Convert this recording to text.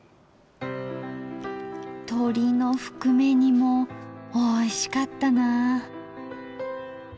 とりのふくめ煮もおいしかったな。